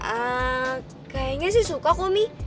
eh kayaknya sih suka kok mie